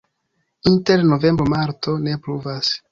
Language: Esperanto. Inter novembro-marto ne pluvas.